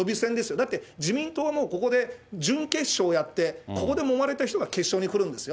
だって、自民党もここで準決勝をやってここでもまれた人が決勝に来るんですよ。